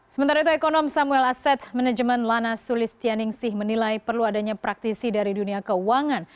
sementara itu ekonom samuel asset management lana sulistianingsih menilai perlu adanya praktisi dari dunia keuangan